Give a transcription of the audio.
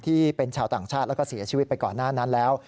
ที่เป็นชาวต่างชาติแล้วก็เสียชีวิตไปก่อนหน้านั้นแล้ว